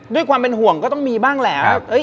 ด้วยความเป็นห่วงก็ต้องมีบ้างแหละ